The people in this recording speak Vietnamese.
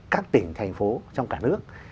các tỉnh thành phố trong cả nước